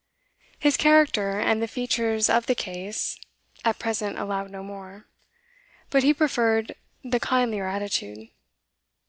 His character, and the features of the case, at present allowed no more; but he preferred the kindlier attitude.